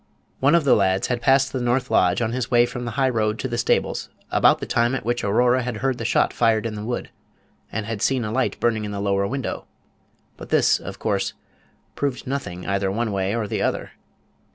One of the lads had passed the north lodge on his way from the high road to the stables about the time at which Aurora had heard the shot fired in the wood, and had seen a light burning in the lower window; but this, of course, proved nothing either one way or the other.